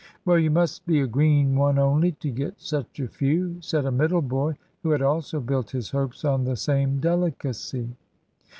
"Well, you must be a green one only to get such a few," said a middle boy, who had also built his hopes on the same delicacy.